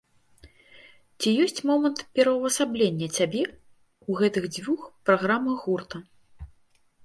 Ці ёсць момант пераўвасаблення цябе ў гэтых дзвюх праграмах гурта?